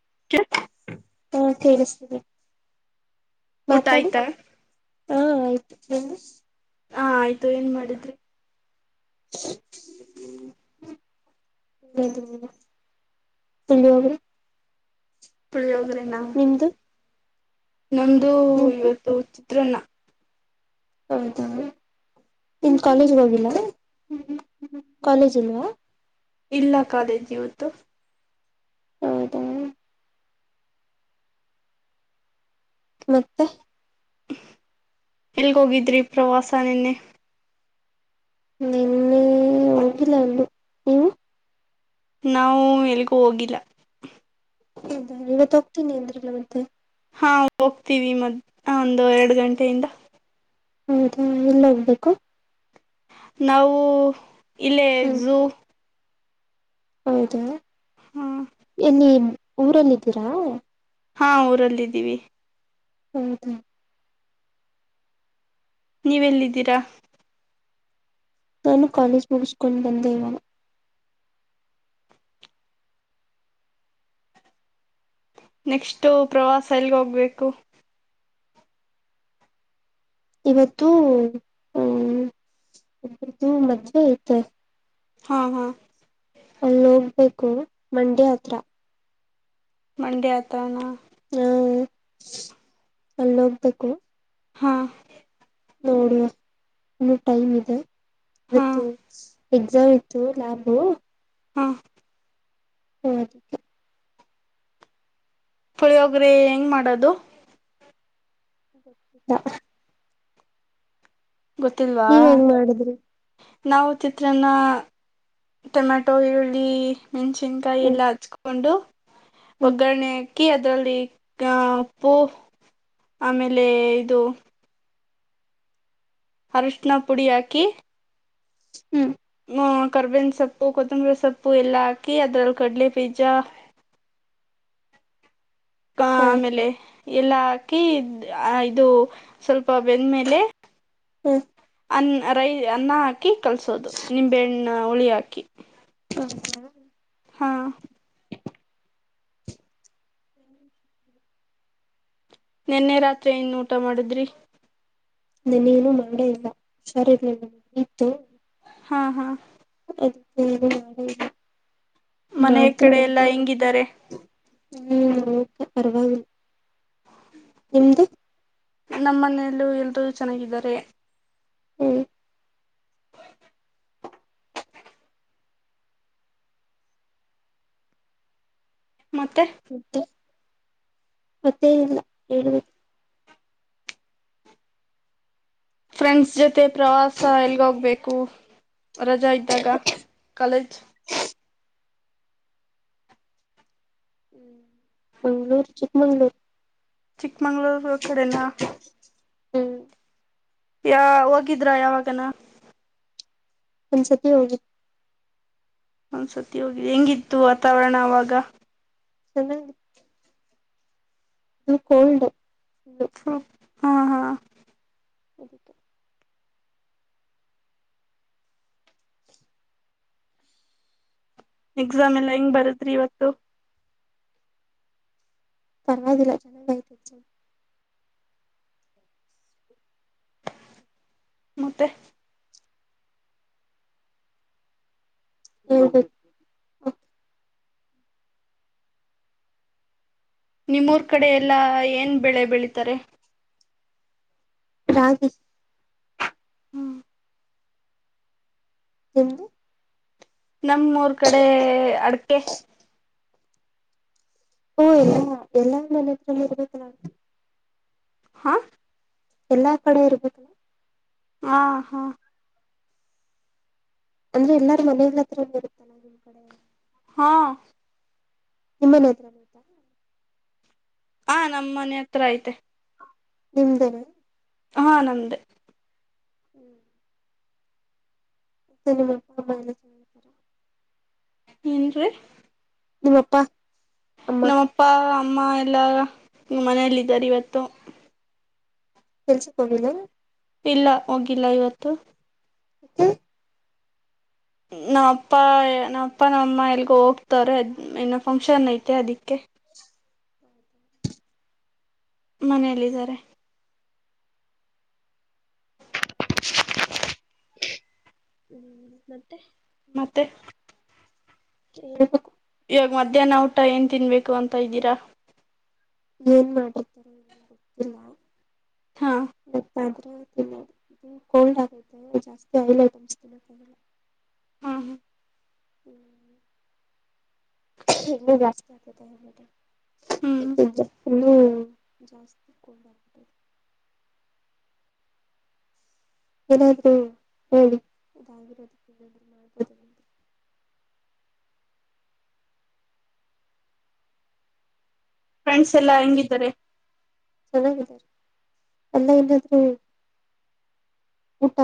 [unintelligible] ಹ ಕೇಳಿಸ್ತಿದೆ. ಊಟ ಮಾತಾಡಿ ಆಯ್ತಾ. ಹಾ ಆಯ್ತು. ಹಾ ಆಯ್ತು ಏನ್ ಮಾಡಿದ್ರಿ. ಹ ಪಡೋಗರಿ. ಪುಡಿಯೋಗ್ರೆ. [unintelligible] ನ. ನಮ್ದು ನಿಮ್ದು ಇವತ್ತು. ತೃನ್ನ ಹೌದಾ ನಿಮ ಕಾಲೇಜ್ಗೆ ಹೋಗಿಲ್ಲ ಕಾಲೇಜ್ ಇಲ್ವಾ ಇಲ್ಲ ಕಾಲೇಜ್ ಇವತ್ತು [inaudible] ಹೌದ ಮತ್ತೆ ಎಲ್ಗೋಗಿದ್ರಿ ಪ್ರವಾಸ ನಿನ್ನೆ ನಿನ್ನೆ ಹೋಗಿಲ್ಲ ಎಲ್ಲೂ ನಾವು ಎಲ್ಗೂ ಹೋಗಿಲ್ಲ ಹೌದ ಇವತ್ ಹೋಗ್ತೀನಿ ಅಂದ್ರಿಲ್ಲ ಮತ್ತೆ [inaudible] ಹಾ ಹೋಗ್ತೀವಿ ಮ ಒಂದು ಎರಡು ಗಂಟೆಯಿಂದ ಹೌದಾ ಎಲ್ಲ ಹೋಗ್ಬೇಕು ನಾವು ಇಲ್ಲೇ ಹ್ಮ್ ು [inaudible] ಹೌದಾ ಹ ಇ [inaudible] ಊರಲ್ಲ ಇದಿದ್ದೀರಾ ಹಾ ಊರಲ್ಲಿದ್ದೀವಿ ಹ್ಮ ಹ್ಮ ನೀವೆಲ್ಲಿದ್ದೀರಾ ನಾನು ಕಾಲೇಜ್ ಮುಗಿಸ್ಕೊಂಡು ಬಂದೆ ಇವಾಗ ನೆಕ್ಸ್ಟ್ ಪ್ರವಾಸ ಎಲ್ಗೋಗ್ಬೇಕು ಇವತ್ತುೂ ಹ್ಮ್ ಇ ಮದ್ುವೆ ಐತೆ ಹಾ ಹಾ ಅಲ್ಲೋಗ್ಬೇಕು ಮಂಡ್ಯ ಹತ್ರ ಮಂಡಿಯ ಆತಾನ ಹಾ ಅಲ್ಲಿ ಹೋಗ್ಬೇಕು ಹಾ ನೋಡುವ ಇನ್ನೂ ಟೈಮ್ ಇದೆ ಹಾ ಮತ್ತುತ್ತು [unintelligible] ಎಕ್ಸಾಮ್ ಇತ್ತು ಲ್ಯಾಬು ಹಾ ಹೌ [inaudible] ಪುಳಿಯೋಗ್ರಿ ಹೆಂಗ್ ಮಾಡೋದು [inaudible] ಗೊತ್ತಿಲ್ವಾ ನೀವ್ ಹೆಂಗ್ ಮಾಡಿದ್ರಿ ನಾವು ಚಿತ್ರನ್ನ ಟೊಮ್ಯಾಟೊ ಈರುಳ್ಳಿ ಮೆಣಸಿನ್ಕಾಯಿ ಹ್ಮ್ ಎಲ್ಲ ಹಚ್ಕೊಂಡು ಹ್ಮ್ ಒಗ್ಗರಣೆ ಅಕ್ಕಿ ಅದರಲ್ಲಿ ಪೂ ಆಮೇಲೆ ಇದು ಅರಶಿಣ ಪುಡಿ ಹಾಕಿ ಹ್ಮ್ ಹ್ಮ ಕರ್ಬೇನ್ ಸೊಪ್ಪು ಕೊತ್ತಂಬರಿ ಸೊಪ್ಪು ಎಲ್ಲಾ ಹಾಕಿ ಅದ್ರಲ್ಲಿ ಕಡಲೆಬೀಜ ಹಾ ಆಮೇಲೆ ಎಲ್ಲ ಹಾಕಿ ಇದು ಸ್ವಲ್ಪ ಬೇಂದ್ಮೇಲೆ ಹಾ ಮೇಲೆ ಅ ರೈಸ್ ಅನ್ನ ಹಾಕಿ ಕಲ್ಸೋದು ನಿಂಬೆಹಣ್ಣು ಉಳಿ ಹಾಕಿ ಹ್ಮ ಹ ಹಾ [unintelligible] ನಿನ್ನೆ ರಾತ್ರಿ ಇನ್ ಊಟ ಮಾಡಿದ್ರಿ ನಾನೇನುೂ ಮಾಡೇ ಇಲ್ಲ ಸರಿ ಇತ್ತು ಹಾ ಹಾ [inaudible] ಮನೆಯ ಕಡೆ ಎಲ್ಲಾ ಮಾಡ್ತೇವಂತೆ ಹಿಂಗಿದ್ದಾರೆ ಹ್ಮ್ ಪರವಾಗಿಲ್ಲ ನಿಮ್ದು ನಮ್ಮ ಮನೆಯಲ್ಲೂ ಎಲ್ರೂ ಚೆನ್ನಾಗಿದ್ದಾರೆ ಹ್ಮ್ ಮತ್ತೆ ಮತ್ತೆ ಮತ್ತೆ ಹೇಳಿ ಫ್ರೆಂಡ್ ಜೊತೆ ಮತ್ತೆ ಪ್ರವಾಸ ಎಲ್ಲಿಹೋಗಬೇಕು ರಜಾ ಇದ್ದಾಗ ಕಾಲೇಜ್ ಮಂಗಳೂರು ಚಿಕ್ಕಮಂಗಳೂರು ಚಿಕ್ಕಮಂಗಳೂರು ಕಡೇನ ಹ್ಮ್ ಹೋಗಿದ್ರಾ ಯಾವಗಾನ ಒಂದು ಸತಿ ಹೋಗಿದ್ದೆ ಒಂದ್ಸರ್ತಿ ಹೋಗಿದೆ ಹೆಂಗಿತ್ತು ವಾತಾವರಣ ಅವಾಗ ಚೆನ್ನಾಗಿತ್ತು ಇದು ಕೋಲ್ಡ್ ಫುಲ್ಲು ಹು ಹಾ ಹಾ ಅದಕ್ಕೆ ಎಕ್ಸಾಮ್ ಎಲ್ಲಾ ಹೆಂಗ್ ಬರದ್ರಿ ಇವತ್ತು ಪರ್ವಾಗಿಲ್ಲ ಚೆನ್ನಾಗೆ ಆಯ್ತು ಮತ್ತೆ ಹೇಳ್ಬೇಕ ನಿಮ್ಮೂರ್ ಕಡೆ ಎಲ್ಲಾ ಏನ್ ಬೆಳೆ ಬೆಳೀತಾರೆ ರಾಗಿ ಹ್ಮ್ ನಿಮ್ದು ನಮ್ಮೂರ್ ಕಡೆ ಅಡ್ಕೆ ಓ ಎಲ್ಲಾ ಎಲ್ಲಾರ ಮನೆಹತ್ರ ಇರ್ಬೇಕಲ್ಲ ಹಾ ಎಲ್ಲಾ ಕಡೆ ಇರ್ಬೇಕಲಾ ಆ ಹಾ ಅಂದ್ರೆ ಎಲ್ಲಾರ ಮನೆಲ್ ಹತ್ರ ಇರುತ್ತಲ್ಲ ನಿಮ್ ಕಡೆ. ಹಾ ನಿಮ್ಮನೆೇ ಹತ್ರನು ಐತ ಹಾ ನಮ್ಮ ಮನೆ ಹತ್ರ ಐತೆ ನಿಮ್ದೇನೆ ಹ ನಮ್ದೆ. ಹ್ಮ್ ಮತ್ತೆ ನಿಮ್ಮ ಅಪ್ಪ ಅಮ್ಮ ಎಲ್ಲಾ ಚನ್ನಾಗಿದರ ಏನ್ ರೀ ನಿಮ್ಮಪ್ಪಾ ನಮ್ಮಪ್ಪ ಮ್ಮ ಎಲ್ಲಾ ಮನೇಲ್ಲ ಇದಾರ ಇವತ್ತು ಕೆಲಸಕ್ಕೆ ಹೋಗಿಲ್ಲೇನು ಇಲ್ಲ ಹೋಗಿಲ್ಲ ಇವತ್ತು ಯಾಕೆ ನಾ ಅಪ್ಪ ನಾ ಅಪ್ಪ ನಮ್ಮ ಅಮ್ಮ ಎಲ್ಗ ಹೋಗ್ತ್ವರೆ ಇನ್ನ ಫಂಕ್ಷನ್ ಐತೆ ಅದಿಕ್ಕೆ ಮನೇಲ್ಲಿದ್ದಾರೆ ಹ್ಮ್ ಮತ್ತೆ ಮತ್ತೆ ಕೇಳ್ಬೇಕು ಇವಾಗ ಮಧ್ಯಾಹ್ನ ಊಟ ಏನ್ ತಿನ್ಬೇಕು ಅಂತ ಇದ್ದೀರಾ ಏನ ಮಾಡಿರ್ತಾರೋ ಏನೋ ಗೊತ್ತಿಲ್ಲ ಹಾ ಹ [inaudible] ವಾದ್ರೆ ತಿನ್ನೋದು ಇದು ಕೋಲ್ಡ್ ಆಗೆತೆ ಜಾಸ್ತಿ ಆಯಿಲ್ ಐಟಮ್ಸ್ ತಿನ್ನಕಾಗಲ್ಲ ಹ್ಮ್ ಹ್ಮ ಹ್ಮ್ ಇನ್ನು ಜಾಸ್ತಿ ಆತತ ಹೌದ್ ಹ್ಮ್ [unintelligible] ಫುಲ್ಲೂ ಜಾಸ್ತಿ ಏನಾದ್ರೂ ಹೇಳಿ ಇದಾಗಿರೋದಕ್ಕೆ ಏನಾದ್ರು ಮಾಡಬೋದ ಅಂತ. ಫ್ರೆಂಡ್ಸ್ ಎಲ್ಲಾ ಹೆಂಗಿದ್ದಾರೆ ಎಲ್ಲ ಎಲ್ಲೊದ್ರೂ ಊಟ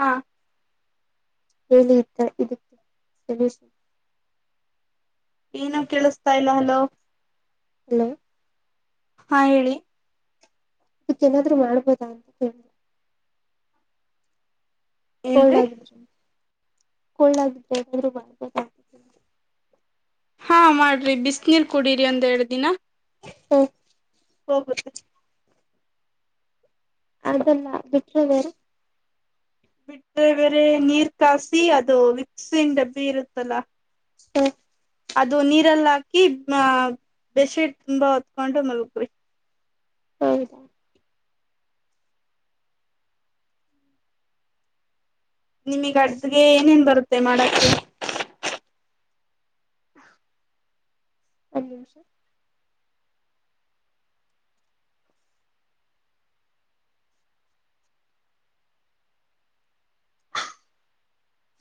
ಹಾ ಹೇಳಿ ಇತ್ತ ಇದಕ್ಕೆ ಸೊಲ್ಯೂಷನ್ ಏನು ಕೇಳಿಸ್ತಾ ಇಲ್ಲ ಹಲೋ ಹಲೋ ಹಾ ಹೇಳಿ ಇದಕ್ಕೆ ಏನಾದ್ರು ಮಾಡ್ಬೋದ ಅಂತ ಕೇಳಿದ್ರೆ ಕೊಳ್ಳ ಏನ್ರಿ [unintelligible] ಕೊಳ್ಳಾಗಿದರು [unintelligible] ಹಾ ಮಾಡ್ರಿ ಬಿಸ್ ನೀರ್ ಕುಡರಿ ಒಂದೆರೆಡ್ ದಿನ ಹ್ಮ ಹೋಗದು ಅದಲ್ಲ ಬಿಟ್ರದಾರ ಬಿಟ್ಟರೆೆ ಬೇರೆ ನೀರ್ ಕಾಸಿ ಅದು ವಿಕ್ಸಿನ್ ಡಬ್ಬಿ ಇರುತ್ತಲ್ಲ ಹ ಅದು ನೀರಲ್ಲ ಹಾಕಿ ಮ ಬೆಸ್ ಶೀಟ್ ತುಂಬಾ ಹೊತ್ಕೊಂಡು ಮಲ್ಗ್ ಬೇಕ್ ಹೌದ ನಿಮಗ್ ಅಡ್ಗೆ ಏನೇನ್ ಬರುತ್ತೆ ಮಾಡಕ್ಕೆ ಒಂನ್ನಿಂಶ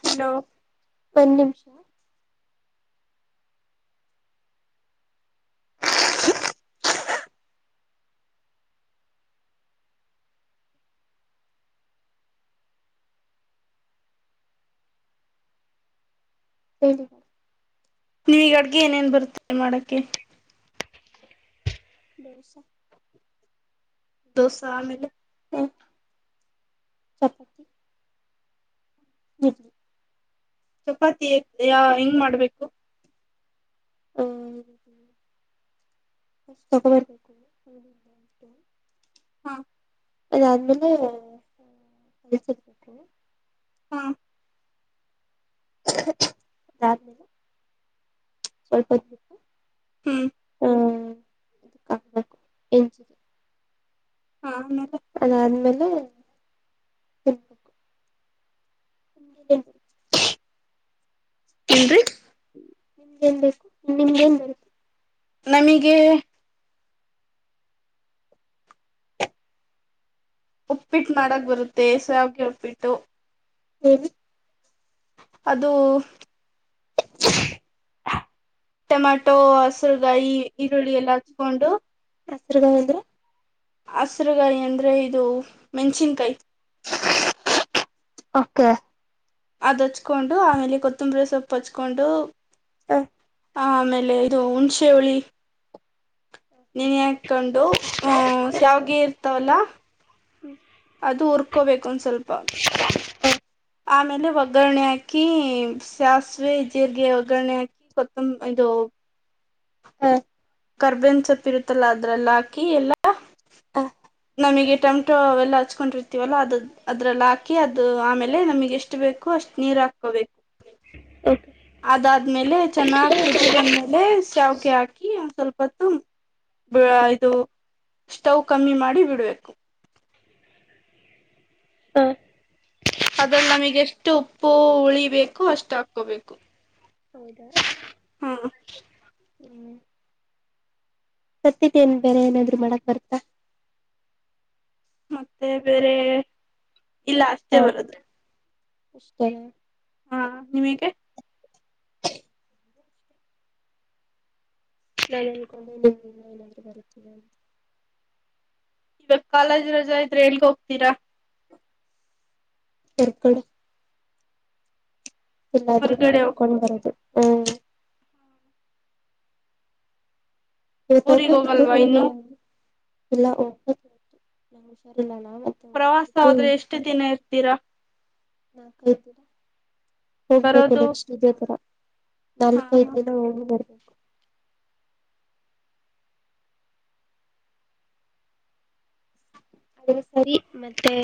ಹಲೋ ಒನ್ನ ನಿಮಿಷ [unintelligible] ನೀವ ಈಗ ಅಡ್ಗೆ ಏನೇನ್ ಬರುತ್ತೆ ಮಾಡಕ್ [unintelligible] ದೋಸಾ [unintelligible] ದೊಸಾ ಆಮೇಲೆ ಹ ಚಪಾತಿ ಹ್ಮ ಚಪಾತಿ ಯ ಹೆಂಗ್ ಮಾಡ್ಬೇಕು ಆ [unintelligible] ಹಾ ಅದಾದ್ಮೇಲೆ [unintelligible] ಹಾ ಅದಾದ್ಮೇಲೆ ಸ್ವಲ್ಪಹೊತ್ತು ಬಿಟ್ಟು ಹ್ಮ್ ಆ [unintelligible] ಹಾ ಮತ್ತ ಅದಾದ್ಮೇಲೆ ತಿನ್ಬೇಕು [unintelligible] ಏನ್ ರೀ ನಿಮಗೆೇನ್ ಬೇಕು ನಿಮ್ದೇನ್ ಬರ್ತು ನನಿಗೆ ಉಪ್ಪಿಟ್ಟು ಮಾಡಕ್ ಬರುತ್ತೆ ಸ್ಯಾವಿಗೆ ಉಪ್ಪಿಟ್ಟು ಹ್ಮ್ ಅದು ಟೊಮಾಟೊ ಹಸರುಗಾಯಿ ಈರುಳ್ಳಿ ಎಲ್ಲ ಹಚ್ಕೊಂಡು ಹೆಸರುಗಂದ್ರ ಹಸರುಗಾಯಿ ಅಂದ್ರೆ ಇದು ಮೆಣಸಿನ್ಕಾಯಿ ಕೆ ಅದ್ ಹಚ್ಕೊಂಡು ಆಮೇಲೆ ಕೊತ್ತಂಬರಿ ಸೊಪ್ಪು ಹಚ್ಕೊಂಡು ಹ ಆ ಆಮೇಲೆ ಇದು ಹುಣಸೆ ಹುಳಿ ನೀನ್ ಹಾಕೊಂಡು ಹಹ ಶ್ಯಾವಗೆರ್ ತಲ ಅದು ಉರ್ಕೋಬೇಕು ಒಂದ್ ಸ್ವಲ್ಪ ಆಮೇಲೆ ಒಗ್ಗರಣೆ ಹಾಕಿ ಹಕಿ ಸಾಸಿವೆ ಜೀರ್ರಿಗೆ ಒಗ್ಗರಣೆ ಹಾಕಿ ಕೊತ್ತಂಬ ಇದು ಹಾ ಕರ್ಬೇನ್ ಸೊಪ್ಪ ಇರುತ್ತಲ್ಲ ಅದ್ರಲ್ಲ ಹಾಕಿ ಎಲ್ಲ ನಮಗೆ ಟೊಮೆಟೊ ಎಲ್ಲ ಹಚ್ಕೊಂಡಿರ್ತೀವಲ್ಲ ಅದು ಅದ್ರಲ್ಲ ಹಾಕಿ ಅದು ಆಮೇಲೆ ನಮಗೆ ಎಷ್ಟು ಬೇಕು ಅಷ್ಟು ನೀರು ಹಾಕೋಬೇಕು ಓಕೆ ಅದಾದ್ಮೇಲೆ ಚೆನ್ನಾಗ್ ಕುದಿ ಬಂದ್ಮೇಲೆ ಸಾವ್ಗೆ ಹಾಕಿ ಸ್ವಲ್ಪತ್ತು ಇದು ಸ್ಟೌವ್ ಕಮ್ಮಿ ಮಾಡಿ ಡಿ ಬಿಡ್ಬೇಕು ಹಾ ಅದಲ್ಲಿ ನಮಗೆಷ್ಟು ಉಪ್ಪು ಉಳಿಬೇಕು ಅಷ್ಟು ಹಾಕೋಬೇಕು ಹೌದಾ ಹಾ ಸತ್ತತಿ ಏನ್ ಬೇರೆ ಏನಾದ್ರು ಮಾಡಕ್ ಬರ್ತ ಮತ್ತೆ ಬೇರೆ ಇಲ್ಲ ಅಷ್ಟೇ ಬರದು ಷ್ಟತ ಹಾ ನೀವ ಹೇಗೆ ನ ಕೊಡನ ಬರಿತ ಈವ ಕಾಲಜ್ ರಜಾ ಎಲ್ಲೋ ಹೋಗ್ತೀರಾ ಹೋಗ್ತೀರಾ ಕಕಡ ಇಲ್ಲಾದ್ರೂ ಹೊರ್ಗಡೆ ಹೋಗ ತಿಳ್ಕೊಂಡ್ ಬರದು ಇತ ಊರಿಗ್ ಕತ್ತು ಹೋಗಲ್ವಾ ಹೋಗ ಇನ್ನು ನ ಇಲ್ಲ ಹುಷಾರಿಲ್ಲ ಮತ್ತೆ ಪ್ರವಾಸ ಆದದ್ರೆ ಎಷ್ಟು ದಿನ ಇತ ಿರ ನಾ [inaudible] ರ ಹೋಗ್ಬೇಕು ಬರೋದು ನೆಕ್ಸ್ಟ್ ಇದೇ ತರ ಹಾ ಹಾ ನಾಲಐದುದಿನಲ್ಲ ಹೋಗಿ ಬರ್ಬೇ ಅ ಸರಿ ಮತ್ತೆ